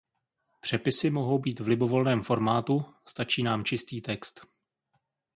Přepisy mohou být v libovolném formátu, stačí nám čistý text.